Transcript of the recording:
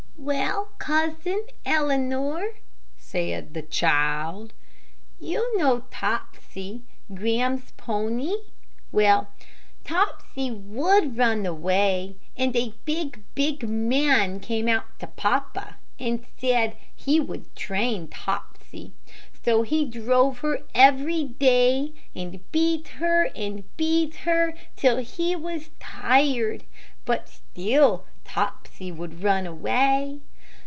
"Well, Cousin Eleanor," said the child, "you know Topsy, Graham's pony. Well, Topsy would run away, and a big, big man came out to papa and said he would train Topsy. So he drove her every day, and beat her, and beat her, till he was tired, but still Topsy would run away.